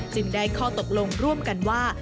จึงได้ข้อตกลงร่วมกันว่า